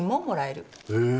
へえ。